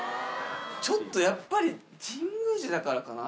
ちょっとやっぱり、神宮寺だからかな？